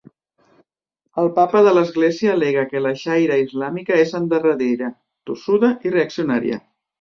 El Papa de l'Església al·lega que la Sharia islàmica és endarrerida, tossuda i reaccionària.